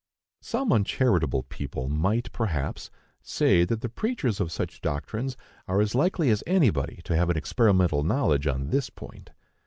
Some uncharitable people might, perhaps, say that the preachers of such doctrines are as likely as anybody to have an experimental knowledge on this point.